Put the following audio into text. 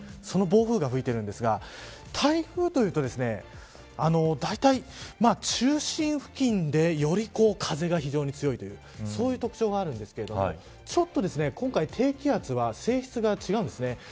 その暴風が吹いているんですが台風というと、だいたい中心付近でより風が非常に強いというそういう特徴があるんですけど今回、低気圧は性質が違うんです。